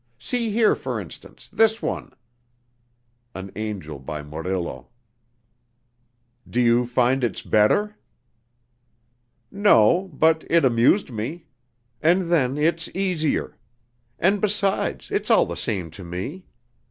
See here, for instance, this one...." (An angel by Murillo). "Do you find it's better?" "No, but it amused me.... And then, it's easier.... And besides, it's all the same to me.